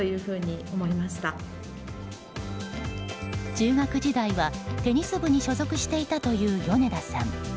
中学時代はテニス部に所属していたという米田さん。